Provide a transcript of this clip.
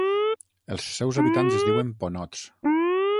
Els seus habitants es diuen "Ponots".